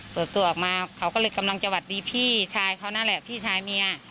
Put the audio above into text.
เปิดตัวออกมาเขาก็เลยกำลังจะหวัดดีพี่ชายเขานั่นแหละพี่ชายเมีย